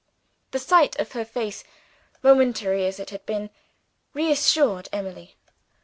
The sight of her face, momentary as it had been, reassured Emily.